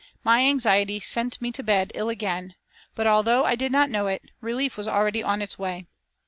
My anxiety sent me to bed ill again, but, although I did not know it, relief was already on its way.